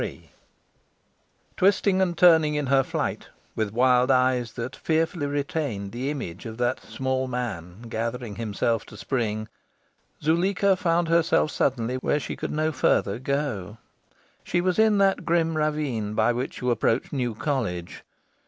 XXIII Twisting and turning in her flight, with wild eyes that fearfully retained the image of that small man gathering himself to spring, Zuleika found herself suddenly where she could no further go. She was in that grim ravine by which you approach New College.